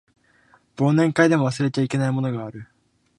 忘年会でも忘れちゃいけないものがある